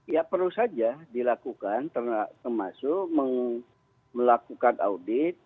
ya perlu saja dilakukan termasuk melakukan audit